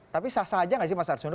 tapi sasa aja gak sih mas arsuno